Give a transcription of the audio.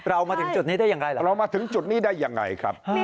มาถึงจุดนี้ได้อย่างไรล่ะเรามาถึงจุดนี้ได้ยังไงครับ